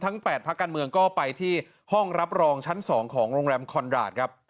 ทั้งแปดพระการเมืองก็ไปที่ห้องรับรองชั้นสองของโรงแรมคอนราศครับ